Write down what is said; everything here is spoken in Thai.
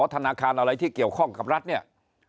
ธนาคารอะไรที่เกี่ยวข้องกับรัฐเนี่ย